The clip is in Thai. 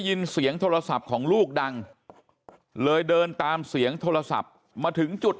เสียงโทรศัพท์ของลูกดังเลยเดินตามเสียงโทรศัพท์มาถึงจุด